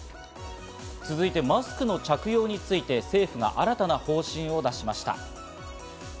続いてマスクの着用について政府が新たな方針を出しました。